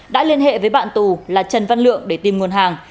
đã liên hệ với bạn tù là trần văn lượng để tìm nguồn hàng